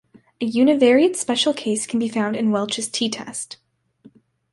A univariate special case can be found in Welch's t-test.